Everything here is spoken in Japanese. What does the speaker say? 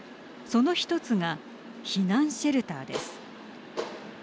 その一つが避難シェルターです。